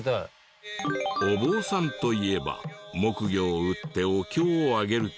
お坊さんといえば木魚を打ってお経をあげるけど。